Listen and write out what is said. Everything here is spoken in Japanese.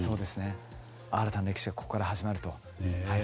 新たな歴史はここから始まると。